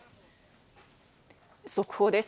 速報です。